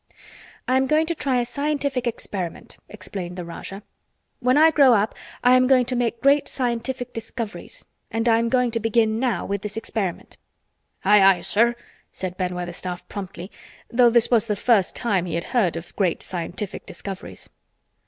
"I am going to try a scientific experiment," explained the Rajah. "When I grow up I am going to make great scientific discoveries and I am going to begin now with this experiment." "Aye, aye, sir!" said Ben Weatherstaff promptly, though this was the first time he had heard of great scientific discoveries.